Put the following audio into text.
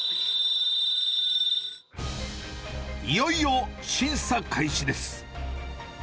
いよいよ審査開始です。